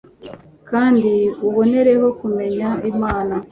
kandi ubonereho kumenya imana